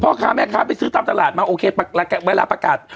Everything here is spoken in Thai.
พ่อค้าแม่ค้าไปซื้อตามตลาดมาโอเคเวลาประกาศ